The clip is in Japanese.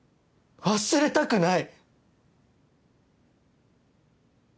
忘れたくない！